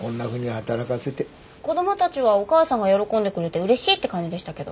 子供たちはお母さんが喜んでくれて嬉しいって感じでしたけど。